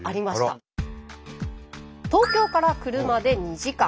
東京から車で２時間。